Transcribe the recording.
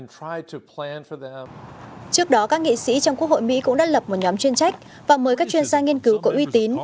trước đó các nghị sĩ trong quốc hội mỹ cũng đã lập một nhóm chuyên trách và mời các chuyên gia nghiên cứu có uy tín